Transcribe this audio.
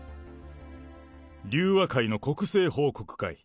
隆和会の国政報告会。